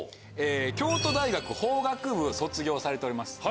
京都大学法学部卒業されております。